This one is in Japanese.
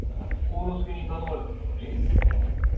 晃之助に頼まれたんだがね。